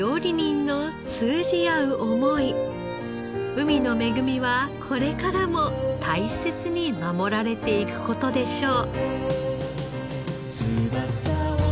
海の恵みはこれからも大切に守られていく事でしょう。